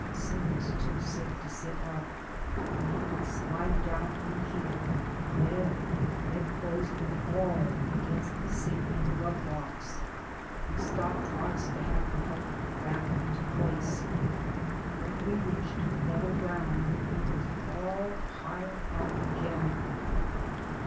Sim was too sick to sit up, and he would slide down in a heap, bed, bedclothes and all, against the seat and grub box. We stopped twice to have him helped back into place. When we reached level ground he was all piled up again.